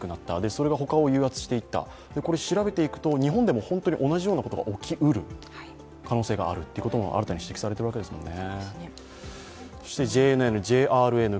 それが他を有圧していった調べていくと日本でも同じようなことが起きうる可能性があると新たに指摘されているわけですね。